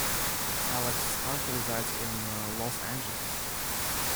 Alex currently resides in Los Angeles.